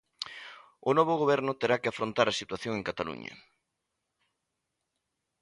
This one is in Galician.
O novo Goberno terá que afrontar a situación en Cataluña.